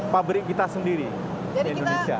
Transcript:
pabrik kita sendiri di indonesia